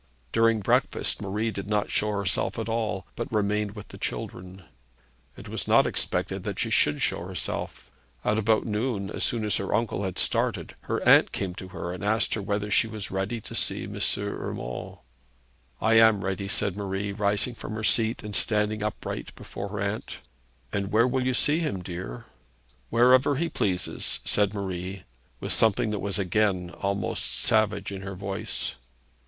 During breakfast Marie did not show herself at all, but remained with the children. It was not expected that she should show herself. At about noon, as soon as her uncle had started, her aunt came to her and asked her whether she was ready to see M. Urmand. 'I am ready,' said Marie, rising from her seat, and standing upright before her aunt. 'And where will you see him, dear?' 'Wherever he pleases,' said Marie, with something that was again almost savage in her voice.